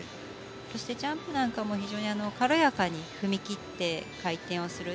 そしてジャンプなんかも非常に軽やかに踏み切って回転をする。